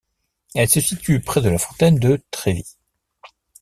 Elle se situe près de la fontaine de Trévi.